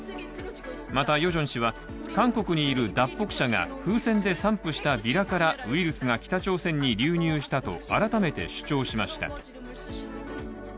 また、ヨジョン氏は韓国にいる脱北者が風船で散布したビラからウイルスが北朝鮮に流入したと改めて主張しました。